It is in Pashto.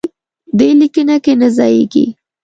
دې لیکنه کې نه ځایېږي.